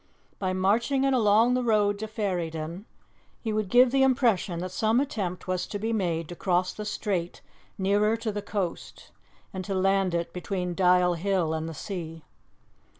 By marching it along the road to Ferryden he would give the impression that some attempt was to be made to cross the strait nearer to the coast, and to land it between Dial Hill and the sea.